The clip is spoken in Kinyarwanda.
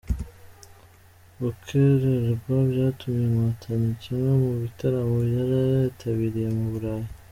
Gukererwa byatumye nkotanyi kimwe mu bitaramo yari yitabiriye mu Burayi